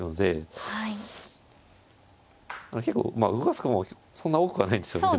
結構動かす駒もそんな多くはないんですよね。